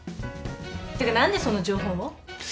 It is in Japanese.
ってか何でその情報を？